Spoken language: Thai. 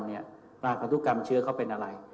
หลาดปฏุกรรมเชื้อเขาเป็นอะไร